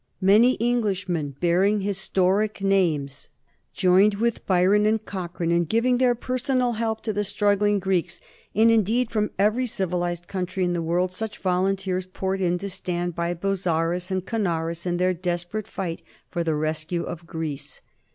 Many Englishmen bearing historic names joined with Byron and Cochrane in giving their personal help to the struggling Greeks, and indeed from every civilized country in the world such volunteers poured in to stand by Bozzaris and Kanaris in their desperate fight for the rescue of Greece.